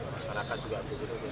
masyarakat juga begitu